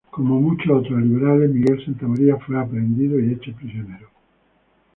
Como muchos otros liberales, Miguel Santa María fue aprehendido y hecho prisionero.